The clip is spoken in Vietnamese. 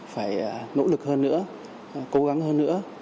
phải nỗ lực hơn nữa cố gắng hơn nữa